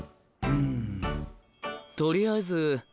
うんとりあえず。